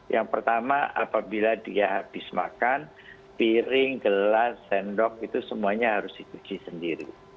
yang pertama apabila dia habis makan piring gelas sendok itu semuanya harus dicuci sendiri